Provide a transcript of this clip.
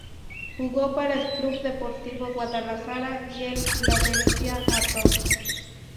Jugó para el Club Deportivo Guadalajara y el Philadelphia Atoms.